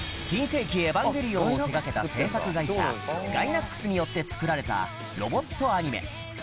『新世紀エヴァンゲリオン』を手掛けた制作会社ガイナックスによって作られたロボットアニメ